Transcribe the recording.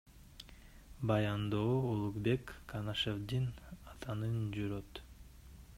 Баяндоо Улукбек Канашевдин атынан жүрөт.